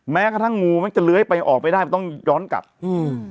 แม้กระทั่งงูมักจะเลื้อยไปออกไปได้มันต้องย้อนกลับอืม